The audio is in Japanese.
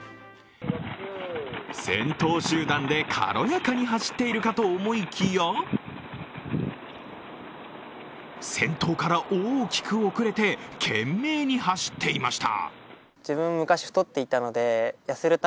先頭集団で軽やかに走っているかと思いきや先頭から大きく遅れて懸命に走っていました。